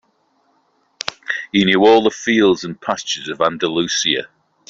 He knew all the fields and pastures of Andalusia.